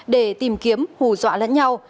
để tìm kiếm hù dọa lẫn nhau